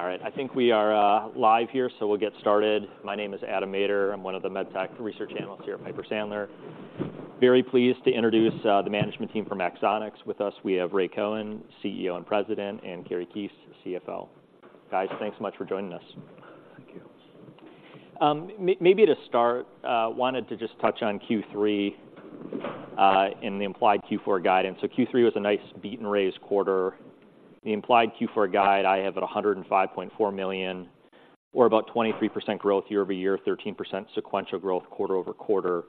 All right, I think we are live here, so we'll get started. My name is Adam Maeder. I'm one of the Medtech Research Analysts here at Piper Sandler. Very pleased to introduce the management team from Axonics. With us, we have Ray Cohen, CEO and President, and Kari Keese, CFO. Guys, thanks so much for joining us. Thank you. Maybe to start, wanted to just touch on Q3 and the implied Q4 guidance. So Q3 was a nice beat and raise quarter. The implied Q4 guide, I have at $105.4 million, or about 23% growth year-over-year, 13% sequential growth, quarter-over-quarter.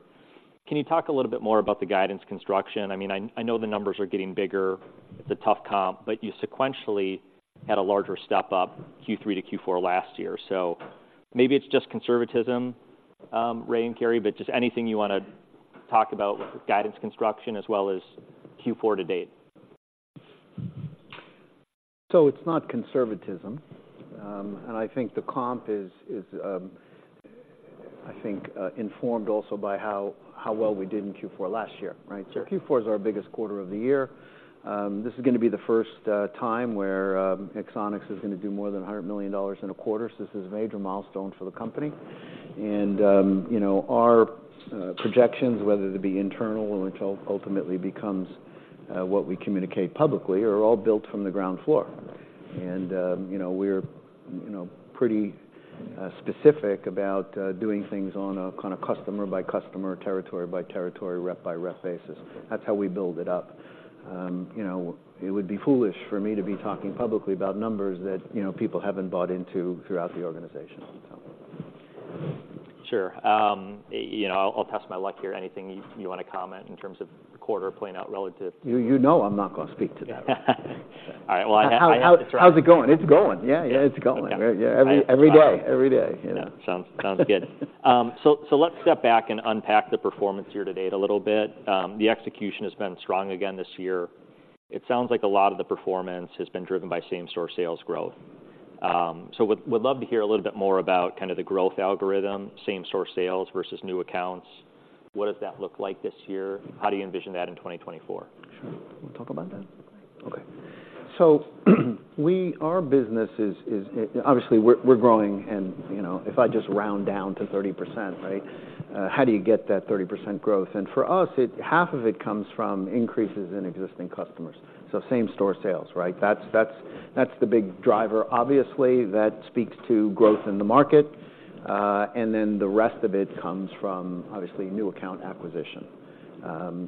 Can you talk a little bit more about the guidance construction? I mean, I know the numbers are getting bigger, it's a tough comp, but you sequentially had a larger step up Q3 to Q4 last year. So maybe it's just conservatism, Ray and Kari, but just anything you wanna talk about with the guidance construction as well as Q4 to date? So it's not conservatism. I think the comp is informed also by how well we did in Q4 last year, right? Sure. So Q4 is our biggest quarter of the year. This is gonna be the first time where Axonics is gonna do more than $100 million in a quarter. So this is a major milestone for the company. And, you know, our projections, whether it be internal or until ultimately becomes what we communicate publicly, are all built from the ground floor. And, you know, we're, you know, pretty specific about doing things on a kinda customer by customer, territory by territory, rep by rep basis. That's how we build it up. You know, it would be foolish for me to be talking publicly about numbers that, you know, people haven't bought into throughout the organization, so. Sure. You know, I'll test my luck here. Anything you wanna comment in terms of the quarter playing out relative to- You know, I'm not gonna speak to that. All right. Well, How's it going? It's going. Yeah, it's going. Okay. Yeah, every day- All right... every day, you know? Sounds good. So let's step back and unpack the performance year to date a little bit. The execution has been strong again this year. It sounds like a lot of the performance has been driven by same-store sales growth. So would love to hear a little bit more about kind of the growth algorithm, same-store sales versus new accounts. What does that look like this year? How do you envision that in 2024? Sure. You wanna talk about that? Go ahead. Okay. So, our business is obviously we're growing, and, you know, if I just round down to 30%, right? How do you get that 30% growth? And for us, half of it comes from increases in existing customers. So same-store sales, right? That's the big driver. Obviously, that speaks to growth in the market, and then the rest of it comes from, obviously, new account acquisition.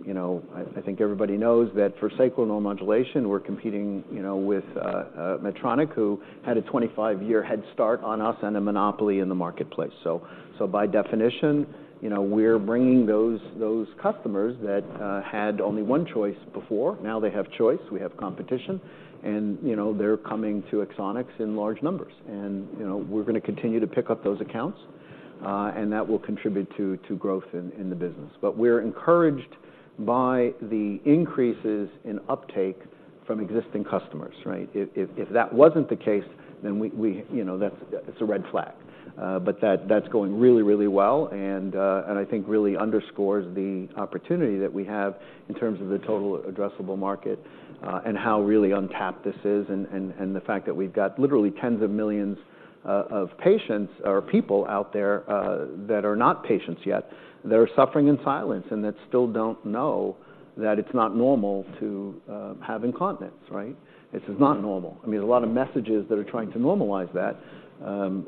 You know, I think everybody knows that for Sacral Neuromodulation, we're competing, you know, with Medtronic, who had a 25-year head start on us and a monopoly in the marketplace. So by definition, you know, we're bringing those customers that had only one choice before. Now they have choice, we have competition, and, you know, they're coming to Axonics in large numbers. You know, we're gonna continue to pick up those accounts, and that will contribute to growth in the business. But we're encouraged by the increases in uptake from existing customers, right? If that wasn't the case, then we, you know, that's a red flag. But that's going really, really well, and I think really underscores the opportunity that we have in terms of the total addressable market, and how really untapped this is, and the fact that we've got literally tens of millions of patients or people out there that are not patients yet, that are suffering in silence, and that still don't know that it's not normal to have incontinence, right? This is not normal. I mean, a lot of messages that are trying to normalize that,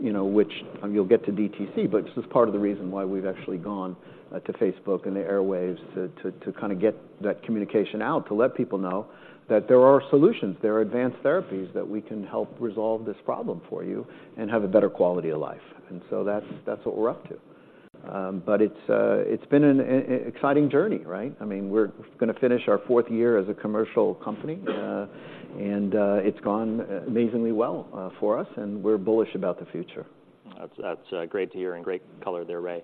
you know, which... and you'll get to DTC, but this is part of the reason why we've actually gone to Facebook and the airwaves, to kinda get that communication out, to let people know that there are solutions, there are advanced therapies that we can help resolve this problem for you and have a better quality of life. And so that's what we're up to. But it's been an exciting journey, right? I mean, we're gonna finish our fourth year as a commercial company, and it's gone amazingly well for us, and we're bullish about the future. That's great to hear and great color there, Ray.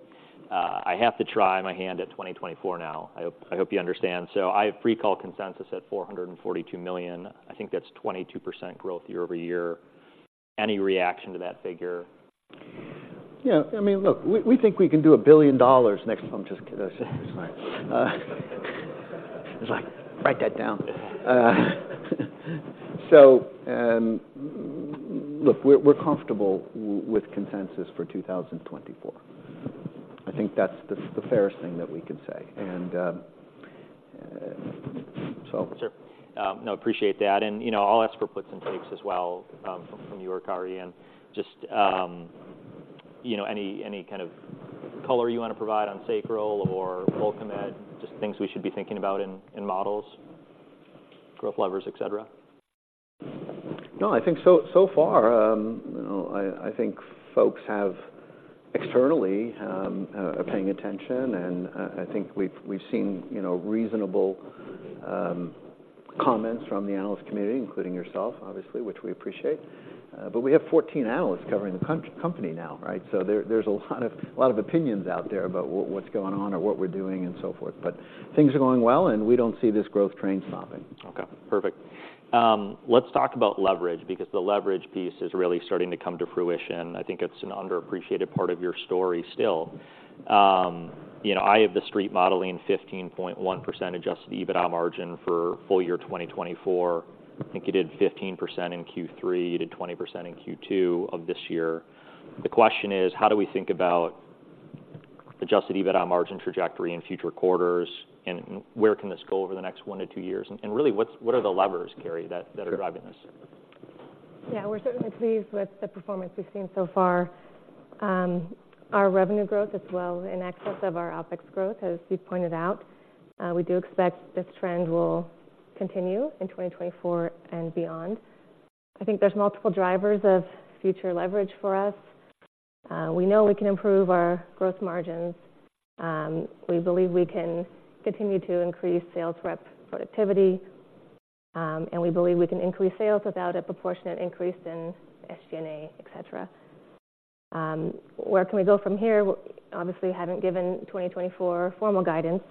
I have to try my hand at 2024 now. I hope you understand. So I have pre-call consensus at $442 million. I think that's 22% growth year-over-year. Any reaction to that figure? Yeah, I mean, look, we think we can do $1 billion next... I'm just kidding. That's right. It's like, write that down. So, look, we're comfortable with consensus for 2024. I think that's the fairest thing that we can say. And, so Sure. No, appreciate that, and, you know, I'll ask for puts and takes as well, from you, Kari, and just, you know, any kind of color you wanna provide on Sacral or Bulkamid, just things we should be thinking about in models, growth levers, et cetera? No, I think so, so far, you know, I think folks have externally are paying attention, and I think we've seen, you know, reasonable comments from the analyst community, including yourself, obviously, which we appreciate. But we have 14 analysts covering the company now, right? So there, there's a lot of opinions out there about what's going on or what we're doing and so forth. But things are going well, and we don't see this growth train stopping. Okay, perfect. Let's talk about leverage, because the leverage piece is really starting to come to fruition. I think it's an underappreciated part of your story still. You know, I have the street modeling 15.1% Adjusted EBITDA margin for full year 2024. I think you did 15% in Q3, you did 20% in Q2 of this year. The question is: how do we think about Adjusted EBITDA margin trajectory in future quarters, and where can this go over the next one to two years? And really, what are the levers, Kari, that are driving this? Yeah, we're certainly pleased with the performance we've seen so far. Our revenue growth is well in excess of our OpEx growth, as you pointed out. We do expect this trend will continue in 2024 and beyond. I think there's multiple drivers of future leverage for us. We know we can improve our gross margins. We believe we can continue to increase sales rep productivity, and we believe we can increase sales without a proportionate increase in SG&A, et cetera. Where can we go from here? Obviously, we haven't given 2024 formal guidance,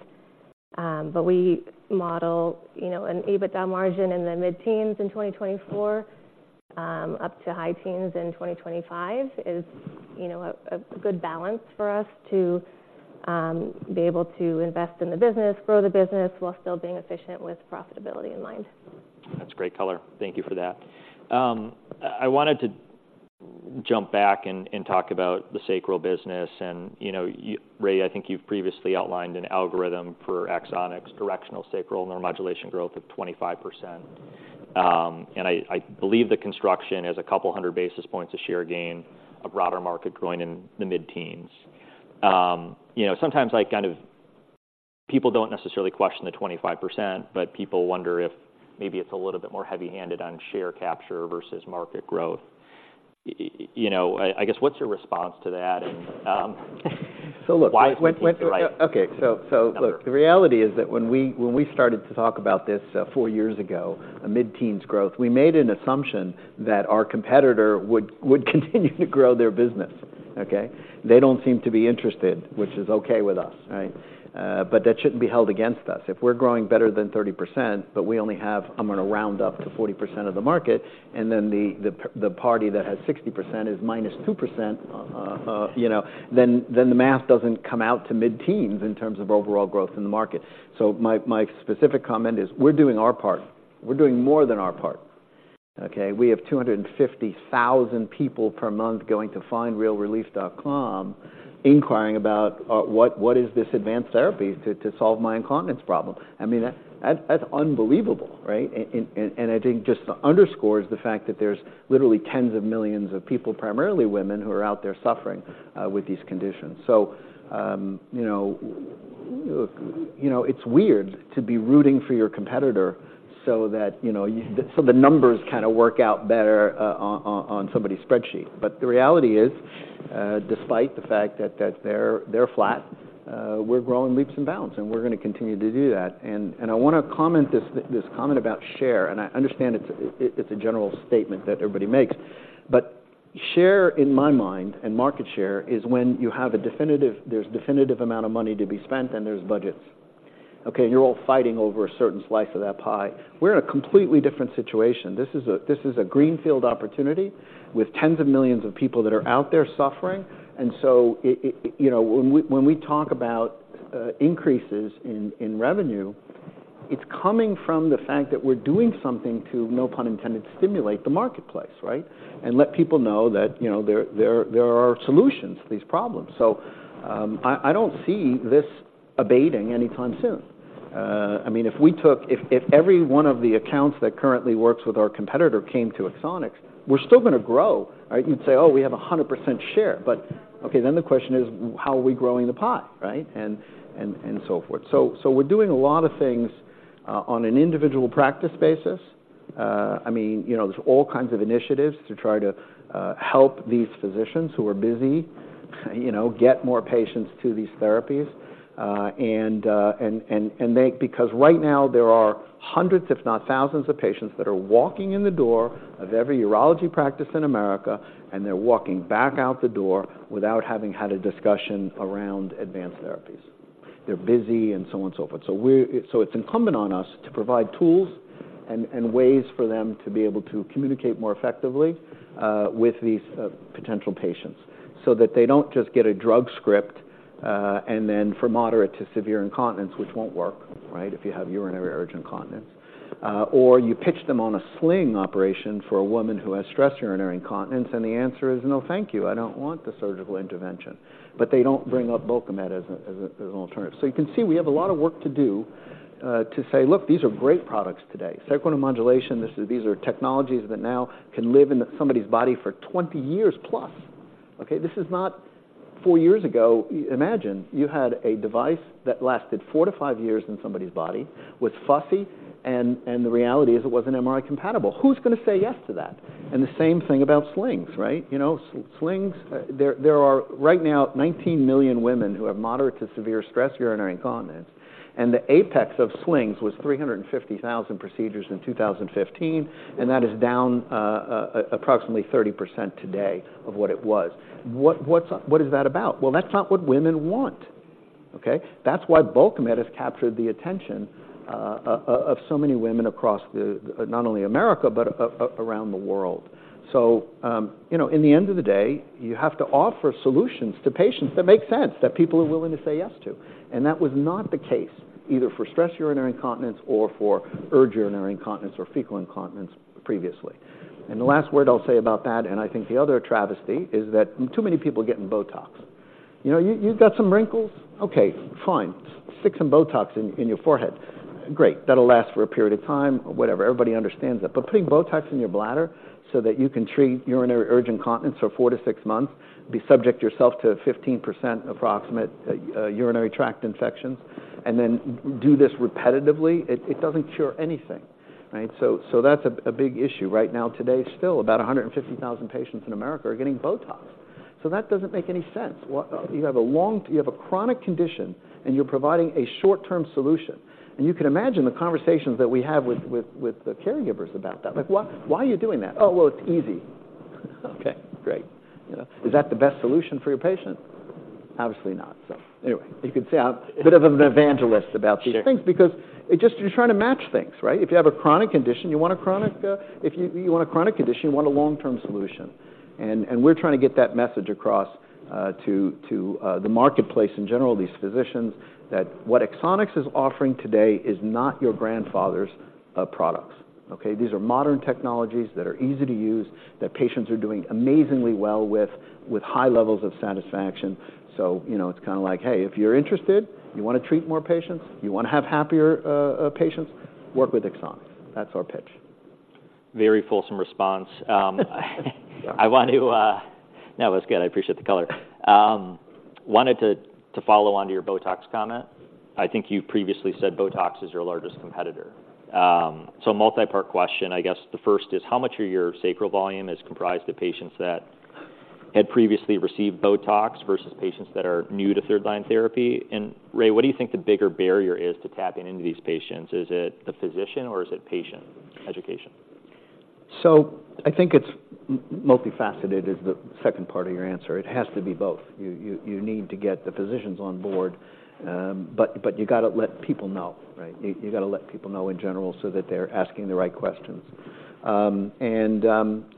but we model, you know, an EBITDA margin in the mid-teens in 2024, up to high teens in 2025, is, you know, a good balance for us to be able to invest in the business, grow the business, while still being efficient with profitability in mind. That's great color. Thank you for that. I wanted to jump back and talk about the sacral business. And, you know, you, Ray, I think you've previously outlined an algorithm for Axonics directional sacral neuromodulation growth of 25%. And I believe the construction is a couple hundred basis points a share gain, a broader market growing in the mid-teens. You know, sometimes I kind of, people don't necessarily question the 25%, but people wonder if maybe it's a little bit more heavy-handed on share capture versus market growth. You know, I guess, what's your response to that? And, So look- Why is it the right? Okay. So look, the reality is that when we started to talk about this four years ago, a mid-teens growth, we made an assumption that our competitor would continue to grow their business, okay? They don't seem to be interested, which is okay with us, right? But that shouldn't be held against us. If we're growing better than 30%, but we only have, I'm going to round up to 40% of the market, and then the party that has 60% is -2%, you know, the math doesn't come out to mid-teens in terms of overall growth in the market. So my specific comment is, we're doing our part. We're doing more than our part, okay? We have 250,000 people per month going to findrealrelief.com, inquiring about what is this advanced therapy to solve my incontinence problem? I mean, that's unbelievable, right? And I think just underscores the fact that there's literally tens of millions of people, primarily women, who are out there suffering with these conditions. So, you know, you know, it's weird to be rooting for your competitor so that the numbers kind of work out better on somebody's spreadsheet. But the reality is, despite the fact that they're flat, we're growing leaps and bounds, and we're going to continue to do that. And I want to comment this comment about share, and I understand it's a general statement that everybody makes. But share, in my mind, and market share, is when you have a definitive. There's definitive amount of money to be spent, and there's budgets. Okay, and you're all fighting over a certain slice of that pie. We're in a completely different situation. This is a greenfield opportunity with tens of millions of people that are out there suffering. And so, you know, when we talk about increases in revenue, it's coming from the fact that we're doing something to, no pun intended, stimulate the marketplace, right? And let people know that, you know, there are solutions to these problems. So, I don't see this abating anytime soon. I mean, if we took. If every one of the accounts that currently works with our competitor came to Axonics, we're still going to grow, right? You'd say, "Oh, we have a 100% share." But okay, then the question is: How are we growing the pie, right? And, and, and so forth. So, so we're doing a lot of things on an individual practice basis. I mean, you know, there's all kinds of initiatives to try to help these physicians who are busy, you know, get more patients to these therapies. And, and, and they—because right now there are hundreds, if not thousands of patients, that are walking in the door of every urology practice in America, and they're walking back out the door without having had a discussion around advanced therapies. They're busy and so on and so forth. So it's incumbent on us to provide tools and ways for them to be able to communicate more effectively with these potential patients, so that they don't just get a drug script and then for moderate to severe incontinence, which won't work, right, if you have urge urinary incontinence. Or you pitch them on a sling operation for a woman who has stress urinary incontinence, and the answer is: "No, thank you. I don't want the surgical intervention." But they don't bring up Bulkamid as an alternative. So you can see, we have a lot of work to do to say, "Look, these are great products today." Sacral neuromodulation. These are technologies that now can live in somebody's body for 20 years plus, okay? This is not four years ago. Imagine, you had a device that lasted 4-5 years in somebody's body, was fussy, and the reality is it wasn't MRI compatible. Who's going to say yes to that? And the same thing about slings, right? You know, slings, there are, right now, 19 million women who have moderate to severe stress urinary incontinence, and the apex of slings was 350,000 procedures in 2015, and that is down approximately 30% today of what it was. What is that about? Well, that's not what women want, okay? That's why Bulkamid has captured the attention of so many women across the not only America, but around the world. So, you know, in the end of the day, you have to offer solutions to patients that make sense, that people are willing to say yes to. And that was not the case, either for stress urinary incontinence or for urge urinary incontinence or fecal incontinence previously. And the last word I'll say about that, and I think the other travesty, is that too many people are getting Botox. You know, you, you've got some wrinkles? Okay, fine. Stick some Botox in your forehead. Great, that'll last for a period of time or whatever. Everybody understands that. But putting Botox in your bladder so that you can treat urinary urge incontinence for 4-6 months, subject yourself to approximately 15% urinary tract infections, and then do this repetitively, it doesn't cure anything, right? So that's a big issue. Right now, today, still about 150,000 patients in America are getting Botox. So that doesn't make any sense. You have a chronic condition, and you're providing a short-term solution, and you can imagine the conversations that we have with, with, with the caregivers about that. Like, "Why, why are you doing that?" "Oh, well, it's easy." Okay, great. You know, is that the best solution for your patient? Obviously not. So anyway, you can see I'm a bit of an evangelist about- Sure these things because it just... You're trying to match things, right? If you have a chronic condition, you want a chronic—if you, you want a chronic condition, you want a long-term solution. And, and we're trying to get that message across, to, to, the marketplace in general, these physicians, that what Axonics is offering today is not your grandfather's, products, okay? These are modern technologies that are easy to use, that patients are doing amazingly well with, with high levels of satisfaction. So, you know, it's kinda like, "Hey, if you're interested, you wanna treat more patients, you wanna have happier, patients, work with Axonics." That's our pitch. Very fulsome response. No, that's good. I appreciate the color. Wanted to follow on to your Botox comment. I think you previously said Botox is your largest competitor. So multi-part question. I guess the first is, how much of your sacral volume is comprised of patients that had previously received Botox versus patients that are new to third-line therapy? And Ray, what do you think the bigger barrier is to tapping into these patients? Is it the physician or is it patient education? So I think it's multifaceted, is the second part of your answer. It has to be both. You need to get the physicians on board, but you gotta let people know, right? You gotta let people know in general so that they're asking the right questions. And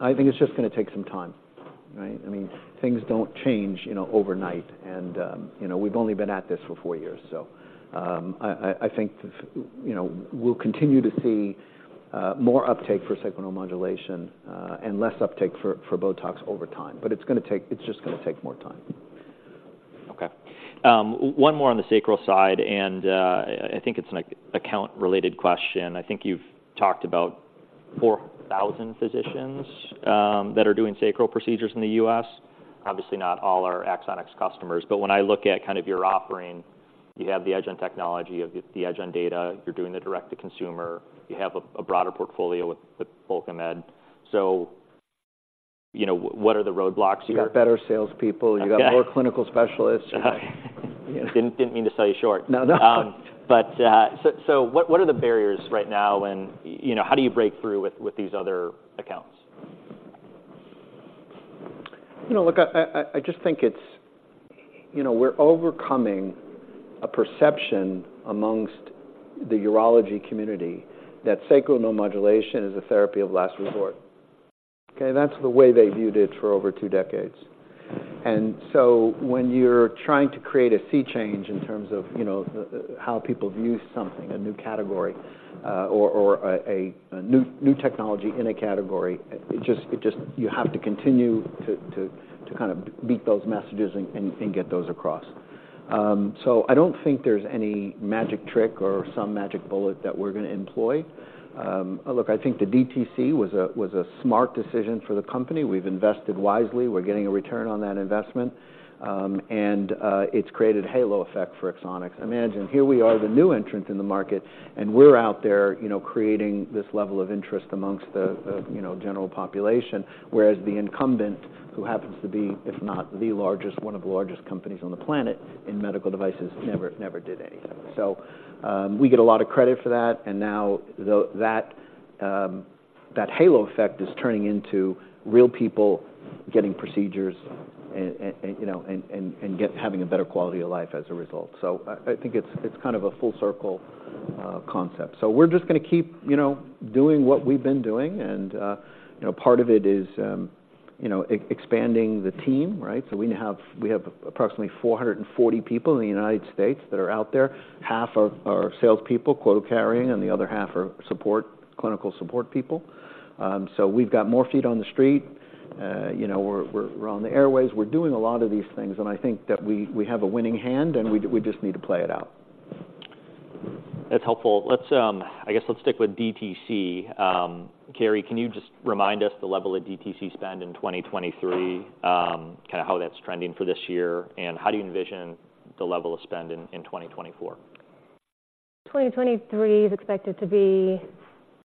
I think it's just gonna take some time, right? I mean, things don't change, you know, overnight, and you know, we've only been at this for four years. So I think, you know, we'll continue to see more uptake for sacral neuromodulation and less uptake for Botox over time, but it's gonna take. It's just gonna take more time. Okay. One more on the sacral side, and I think it's an account-related question. I think you've talked about 4,000 physicians that are doing sacral procedures in the US. Obviously, not all are Axonics customers, but when I look at kind of your offering, you have the edge on technology, you have the edge on data, you're doing the direct to consumer, you have a broader portfolio with Bulkamid. So, you know, what are the roadblocks here? You got better salespeople- Okay. You got more clinical specialists. Didn't mean to sell you short. No, no. But what are the barriers right now and, you know, how do you break through with these other accounts? You know, look, I just think it's... You know, we're overcoming a perception amongst the urology community that sacral neuromodulation is a therapy of last resort. Okay, that's the way they viewed it for over two decades. And so when you're trying to create a sea change in terms of, you know, the how people view something, a new category, or a new technology in a category, it just you have to continue to kind of beat those messages and get those across. So I don't think there's any magic trick or some magic bullet that we're gonna employ. Look, I think the DTC was a smart decision for the company. We've invested wisely. We're getting a return on that investment, and it's created halo effect for Axonics. Imagine, here we are, the new entrant in the market, and we're out there, you know, creating this level of interest amongst the, the, you know, general population. Whereas the incumbent, who happens to be, if not the largest, one of the largest companies on the planet in medical devices, never, never did anything. So, we get a lot of credit for that, and now that halo effect is turning into real people getting procedures and, and, and, you know, and, and, and having a better quality of life as a result. So I think it's kind of a full circle concept. So we're just gonna keep, you know, doing what we've been doing. And, you know, part of it is, you know, expanding the team, right? So we have approximately 440 people in the United States that are out there. Half are salespeople, quota-carrying, and the other half are support, clinical support people. So we've got more feet on the street. You know, we're on the airwaves. We're doing a lot of these things, and I think that we have a winning hand, and we just need to play it out. That's helpful. Let's, I guess, let's stick with DTC. Kari, can you just remind us the level of DTC spend in 2023, kinda how that's trending for this year, and how do you envision the level of spend in 2024? 2023 is expected to be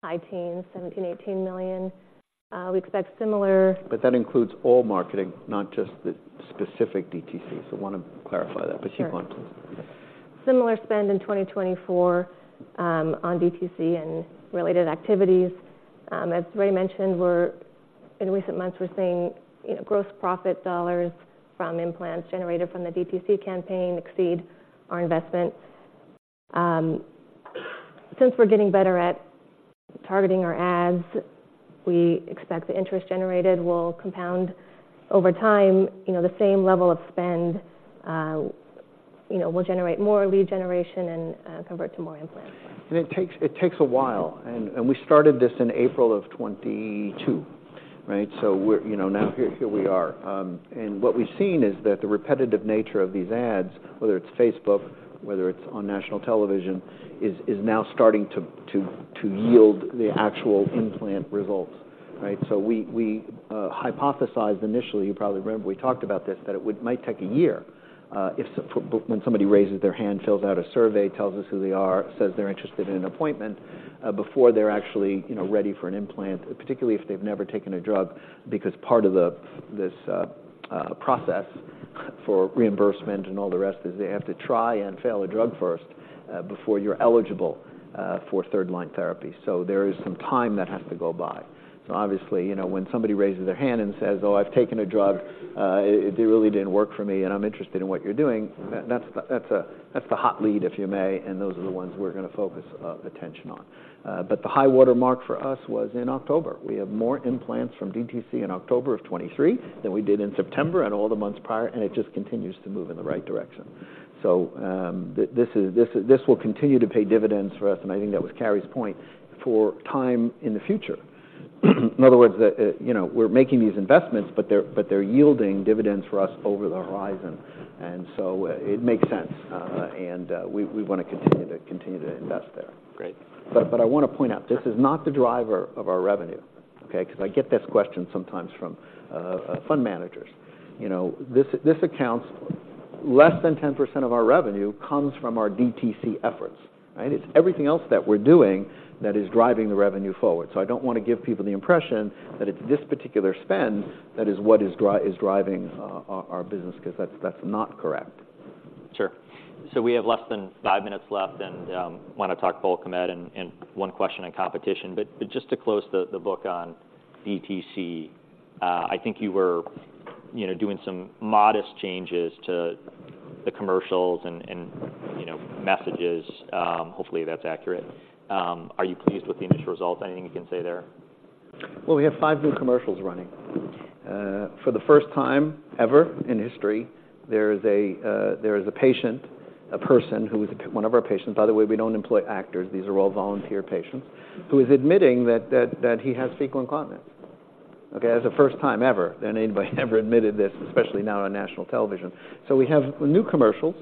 high teens, $17 million-$18 million. We expect similar- That includes all marketing, not just the specific DTC. I wanna clarify that- Sure. But keep going, please. Similar spend in 2024 on DTC and related activities. As Ray mentioned, in recent months, we're seeing, you know, gross profit dollars from implants generated from the DTC campaign exceed our investment. Since we're getting better at targeting our ads, we expect the interest generated will compound over time. You know, the same level of spend, you know, we'll generate more lead generation and convert to more implants. It takes a while, and we started this in April of 2022, right? So we're—you know, now here we are. And what we've seen is that the repetitive nature of these ads, whether it's Facebook, whether it's on national television, is now starting to yield the actual implant results, right? So we hypothesized initially, you probably remember we talked about this, that it might take a year if, when somebody raises their hand, fills out a survey, tells us who they are, says they're interested in an appointment, before they're actually, you know, ready for an implant, particularly if they've never taken a drug. Because part of this process for reimbursement and all the rest is they have to try and fail a drug first before you're eligible for third-line therapy. So there is some time that has to go by. So obviously, you know, when somebody raises their hand and says, "Oh, I've taken a drug, it really didn't work for me, and I'm interested in what you're doing," that's the hot lead, if you may, and those are the ones we're gonna focus attention on. But the high-water mark for us was in October. We have more implants from DTC in October 2023 than we did in September and all the months prior, and it just continues to move in the right direction. So, this will continue to pay dividends for us, and I think that was Kari's point for time in the future. In other words, you know, we're making these investments, but they're, but they're yielding dividends for us over the horizon. And so it makes sense, and we, we want to continue to, continue to invest there. Great. But I want to point out, this is not the driver of our revenue, okay? Because I get this question sometimes from fund managers. You know, this accounts less than 10% of our revenue comes from our DTC efforts, right? It's everything else that we're doing that is driving the revenue forward. So I don't want to give people the impression that it's this particular spend that is what is driving our business, because that's not correct. Sure. So we have less than five minutes left, and want to talk Bulkamid and one question on competition. But just to close the book on DTC, I think you were, you know, doing some modest changes to the commercials and, you know, messages. Hopefully, that's accurate. Are you pleased with the initial results? Anything you can say there? Well, we have five new commercials running. For the first time ever in history, there is a patient, a person who is one of our patients. By the way, we don't employ actors. These are all volunteer patients who is admitting that he has fecal incontinence. Okay? That's the first time ever that anybody ever admitted this, especially now on national television. So we have new commercials.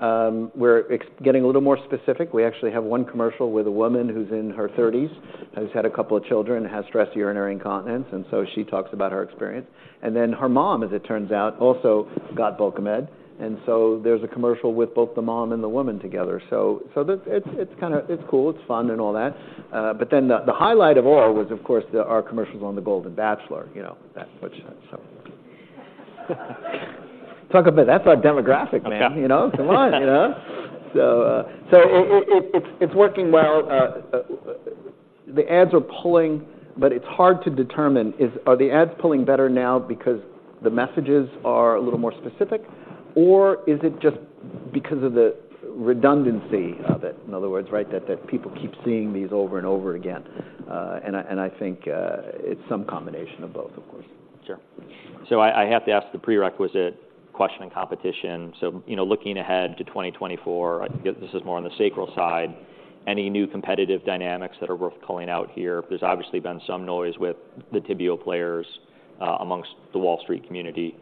We're getting a little more specific. We actually have one commercial with a woman who's in her thirties, who's had a couple of children, and has stress urinary incontinence, and so she talks about her experience. And then her mom, as it turns out, also got Bulkamid. And so there's a commercial with both the mom and the woman together. So it's kind of... It's cool, it's fun and all that. But then the highlight of all was, of course, our commercials on The Golden Bachelor. You know, talk about, that's our demographic, man. Okay. You know, come on, you know? So, it's working well. The ads are pulling, but it's hard to determine, are the ads pulling better now because the messages are a little more specific, or is it just because of the redundancy of it? In other words, right, people keep seeing these over and over again. And I think it's some combination of both, of course. Sure. So I have to ask the prerequisite question on competition. So, you know, looking ahead to 2024, I can get... This is more on the sacral side, any new competitive dynamics that are worth calling out here? There's obviously been some noise with the tibial players among the Wall Street community.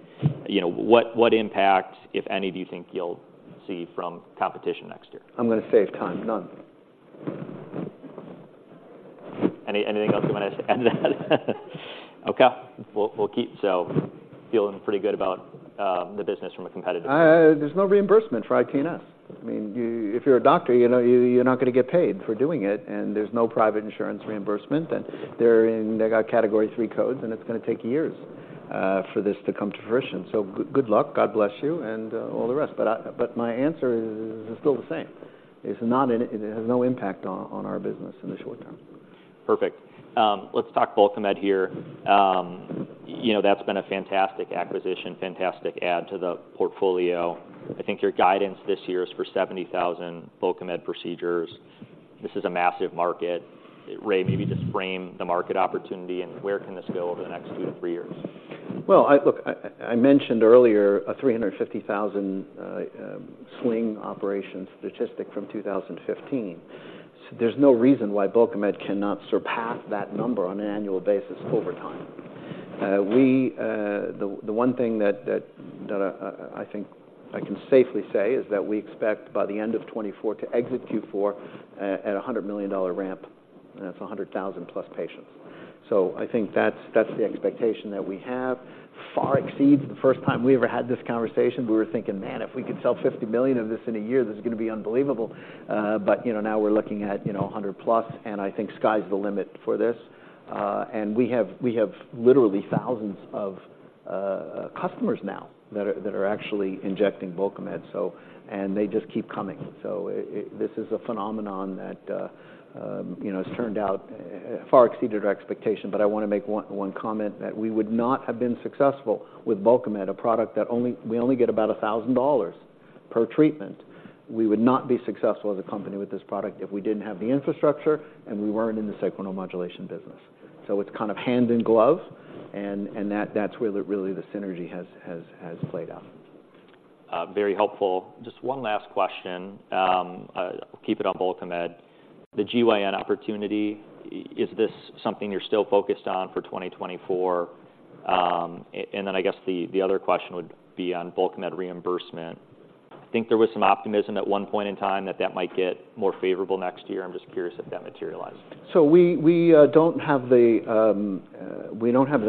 You know, what impact, if any, do you think you'll see from competition next year? I'm gonna save time. None. Anything else you want to add to that? Okay. We'll keep so feeling pretty good about the business from a competitive- There's no reimbursement for ITNS. I mean, you... If you're a doctor, you know, you're not gonna get paid for doing it, and there's no private insurance reimbursement, and they've got Category Three codes, and it's gonna take years for this to come to fruition. So good luck, God bless you, and all the rest. But I... But my answer is still the same. It's not, and it has no impact on our business in the short term. Perfect. Let's talk Bulkamid here. You know, that's been a fantastic acquisition, fantastic add to the portfolio. I think your guidance this year is for 70,000 Bulkamid procedures. This is a massive market. Ray, maybe just frame the market opportunity and where can this go over the next two to three years? Well, look, I mentioned earlier a 350,000 sling operation statistic from 2015. So there's no reason why Bulkamid cannot surpass that number on an annual basis over time. We, the one thing that I think I can safely say is that we expect by the end of 2024 to exit Q4 at a $100 million ramp, and that's 100,000+ patients. So I think that's the expectation that we have, far exceeds the first time we ever had this conversation. We were thinking, "Man, if we could sell $50 million of this in a year, this is gonna be unbelievable." But, you know, now we're looking at, you know, 100+, and I think sky's the limit for this. And we have literally thousands of customers now that are actually injecting Bulkamid, so... They just keep coming. So this is a phenomenon that, you know, has turned out far exceeded our expectation. But I want to make one, one comment, that we would not have been successful with Bulkamid, a product that we only get about $1,000 per treatment. We would not be successful as a company with this product if we didn't have the infrastructure, and we weren't in the sacral neuromodulation business. So it's kind of hand in glove, and, and that, that's where the, really the synergy has, has, has played out. Very helpful. Just one last question, keep it on Bulkamid. The GYN opportunity, is this something you're still focused on for 2024? And then I guess the other question would be on Bulkamid reimbursement. I think there was some optimism at one point in time that that might get more favorable next year. I'm just curious if that materialized. So we don't have the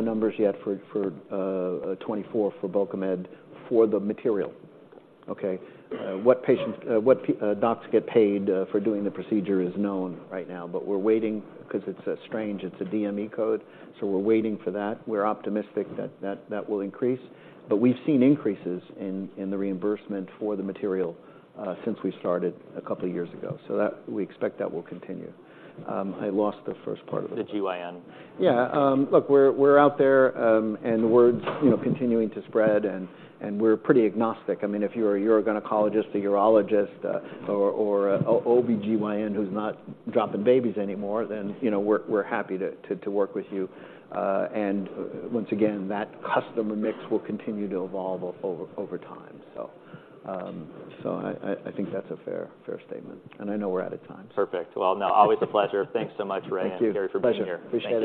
numbers yet for 2024 for Bulkamid, for the material, okay? What patients, what docs get paid for doing the procedure is known right now, but we're waiting because it's strange, it's a DME code, so we're waiting for that. We're optimistic that will increase, but we've seen increases in the reimbursement for the material since we started a couple of years ago. So that, we expect that will continue. I lost the first part of the- The GYN. Yeah. Look, we're out there, and the word's, you know, continuing to spread, and we're pretty agnostic. I mean, if you're a gynecologist, a urologist, or OBGYN who's not dropping babies anymore, then, you know, we're happy to work with you. And once again, that customer mix will continue to evolve over time. So, I think that's a fair statement. And I know we're out of time. Perfect. Well, now, always a pleasure. Thanks so much, Ray and Kari. Thank you... for being here. Pleasure. Appreciate it.